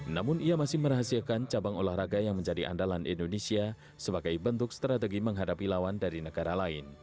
namun ia masih merahasiakan cabang olahraga yang menjadi andalan indonesia sebagai bentuk strategi menghadapi lawan dari negara lain